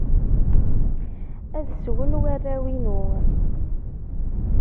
Ad swen warraw-inu.